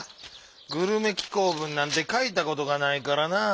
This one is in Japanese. グルメ紀行文なんてかいたことがないからなぁ。